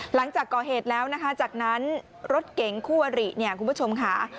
หลังจากก่อเหตุแล้วนะคะจากนั้นรถเก๋งคู่อริเนี่ยคุณผู้ชมค่ะ